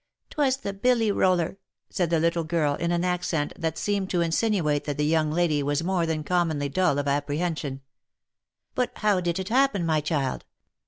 " 'Twas the billy roller," said the little 'girl, in an accent that seemed to insinuate that the young lady was more than commonly dull of apprehension. " But how did it happen, my child